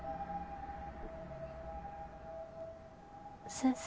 先生？